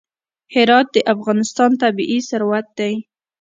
هرات د افغانستان طبعي ثروت دی.